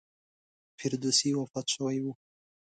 فردوسي وفات شوی و.